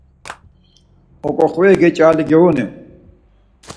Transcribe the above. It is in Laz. Oǩoxveri geç̌areli giğuni?